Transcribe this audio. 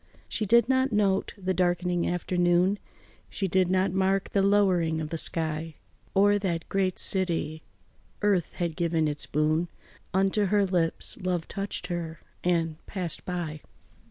She did not note the darkening afternoon, She did not mark the lowering of the sky O'er that great city. Earth had given its boon Unto her lips, love touched her and passed by.